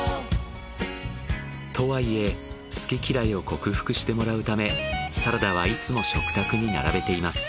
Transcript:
とはいえ好き嫌いを克服してもらうためサラダはいつも食卓に並べています。